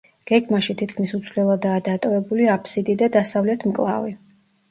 გეგმაში თითქმის უცვლელადაა დატოვებული აფსიდი და დასავლეთ მკლავი.